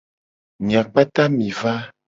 Mia kpata mi va.